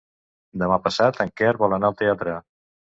Demà passat en Quer vol anar al teatre.